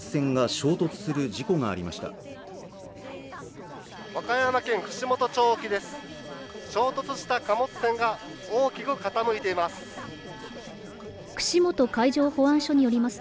衝突した貨物船が大きく傾いています